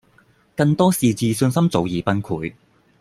更多是自信心早已崩潰